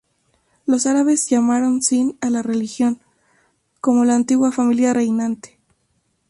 Los árabes llamaron Cin a la región, como la antigua familia reinante.